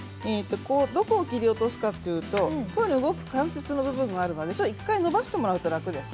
どこを切り落とすかというと動く関節の部分がありますので１回伸ばしてもらうと楽です。